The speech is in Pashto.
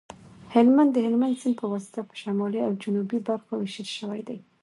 هلمند د هلمند سیند په واسطه په شمالي او جنوبي برخو ویشل شوی دی